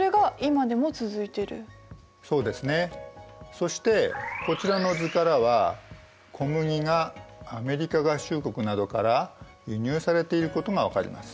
そしてこちらの図からは小麦がアメリカ合衆国などから輸入されていることが分かります。